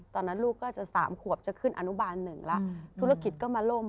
ตอนนั้นลูกก็จะสามขวบจะขึ้นอนุบาลหนึ่งแล้วธุรกิจก็มาล่ม